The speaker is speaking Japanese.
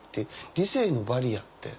「理性のバリアって？」